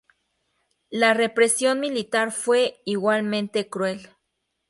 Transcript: La represión militar fue igualmente cruel.